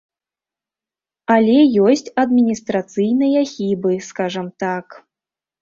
Але ёсць адміністрацыйныя хібы, скажам так.